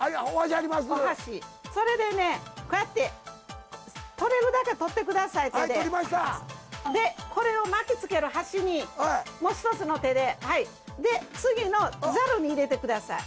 お箸それでねこうやって取れるだけ取ってください手ではい取りましたでこれを巻きつける箸にもう一つの手ではいで次のザルに入れてください